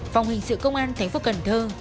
phòng hình sự công an thành phố cần thơ